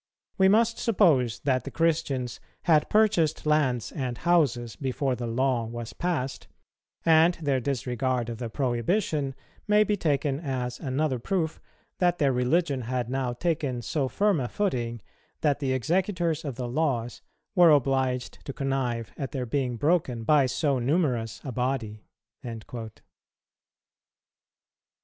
We must suppose that the Christians had purchased lands and houses before the law was passed; and their disregard of the prohibition may be taken as another proof that their religion had now taken so firm a footing that the executors of the laws were obliged to connive at their being broken by so numerous a body."[237:1] 24.